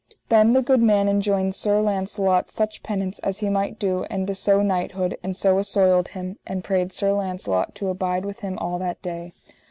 Then the good man enjoined Sir Launcelot such penance as he might do and to sewe knighthood, and so assoiled him, and prayed Sir Launcelot to abide with him all that day.